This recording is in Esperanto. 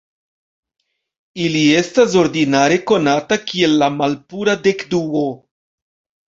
Ili estas ordinare konata kiel la malpura dekduo,